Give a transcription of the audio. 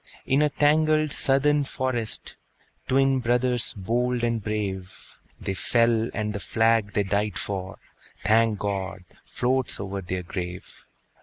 In a tangled Southern forest, Twin brothers bold and brave, They fell; and the flag they died for, Thank God! floats over their grave.